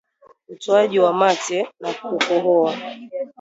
Utoaji wa mate na kukohoa